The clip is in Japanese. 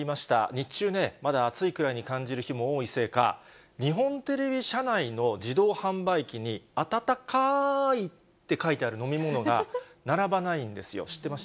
日中ね、まだ暑いくらいに感じる日も多いせいか、日本テレビ社内の自動販売機に、あたたかーいって書いてある飲み物が並ばないんですよ。